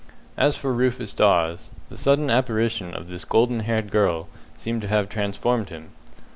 As for Rufus Dawes, the sudden apparition of this golden haired girl seemed to have transformed him.